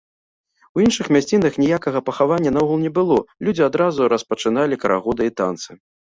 У іншых мясцінах ніякага пахавання наогул не было, людзі адразу распачыналі карагоды і танцы.